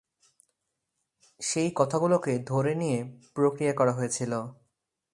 সেই কথাগুলোকে ধরে নিয়ে প্রক্রিয়া করা হয়েছিল।